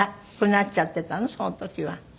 その時は。